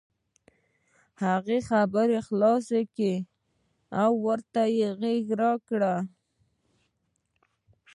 هغه خبرې خلاصې کړې او راته یې غېږه راکړه.